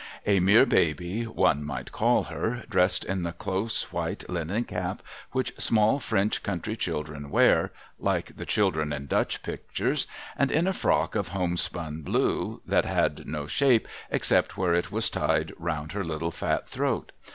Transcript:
A mere baby, one might call her, dressed in the close white linen cap which small French country children wear (like the children in Dutch pictures), and in a frock 296 SOMEBODY'S LUGGAGE of homespun bliR', tliat had no shape except where It was tied round her httle fat throat.